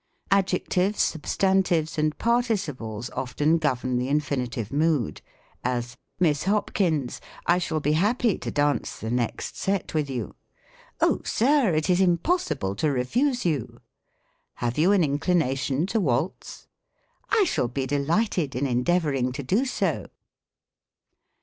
Adjectives, substantives, and participles, often govern the infinitive mood : as, *' Miss Hopkins, I shall be happy to dance the next set with you." " Oh ! Sir, it is impossible to refuse you." " Have you an inclina tion to waltz ?"" I shall be delighted in endeavoring to do so."